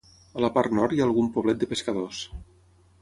A la part nord hi ha algun poblet de pescadors.